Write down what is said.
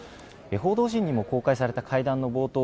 報道陣にも公開された会談の冒頭